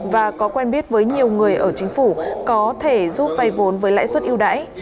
và có quen biết với nhiều người ở chính phủ có thể giúp vay vốn với lãi suất yêu đáy